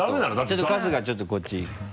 ちょっと春日ちょっとこっち。